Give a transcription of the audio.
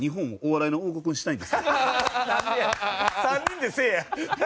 ３人でせえや。